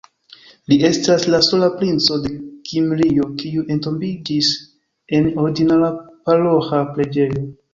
Li estas la sola princo de Kimrio kiu entombiĝis en ordinara paroĥa preĝejo.